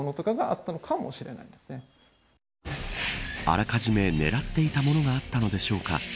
あらかじめ、狙っていたものがあったのでしょうか。